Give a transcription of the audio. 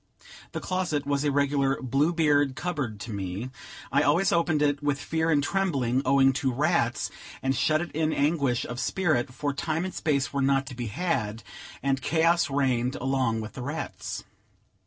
The closet was a regular Blue Beard cupboard to me; I always opened it with fear and trembling, owing to rats, and shut it in anguish of spirit; for time and space were not to be had, and chaos reigned along with the rats.